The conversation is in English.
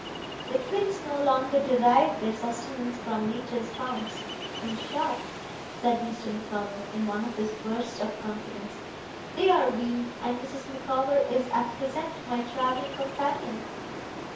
The twins no longer derive their sustenance from Nature's founts in short,' said Mr. Micawber, in one of his bursts of confidence, 'they are weaned and Mrs. Micawber is, at present, my travelling companion.